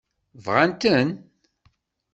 Bɣan-ten?